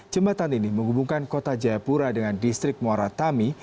jembatan ini menghubungkan kota jayapura dengan distrik moratami